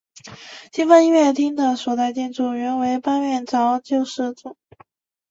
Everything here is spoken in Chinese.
金帆音乐厅的所在建筑原为八面槽救世军中央堂。